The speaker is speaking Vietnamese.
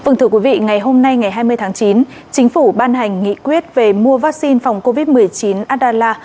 ngày hôm nay ngày hai mươi tháng chín chính phủ ban hành nghị quyết về mua vaccine phòng covid một mươi chín adala